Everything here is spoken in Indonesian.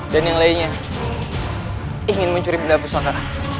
dan yang lainnya ingin mencuri benda pusaka